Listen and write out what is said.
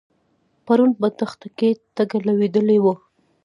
پرون په دښته کې ټکه لوېدلې وه.